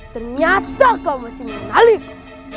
ternyata kau masih menaliku